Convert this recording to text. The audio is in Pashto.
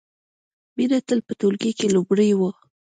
مینه تل په ټولګي کې لومړۍ وه